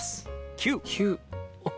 ９。